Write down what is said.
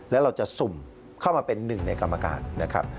แล้วเราจะสุ่มเข้ามาเป็นหนึ่งในกรรมการนะครับ